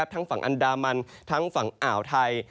ทั้งฝั่งอันดามันทั้งฝั่งอ่าวไทย